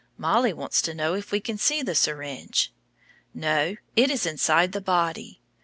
Mollie wants to know if we can see the syringe. No, it is inside the body.